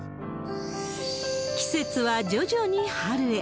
季節は徐々に春へ。